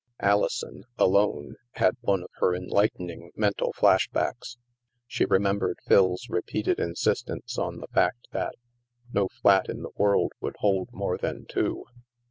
Alison, alone, had one of her enlightening men tal back flashes. She remembered Phil's repeated insistence on the fact that "no flat in the world would hold more than two."